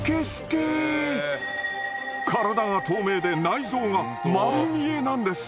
体が透明で内臓が丸見えなんです。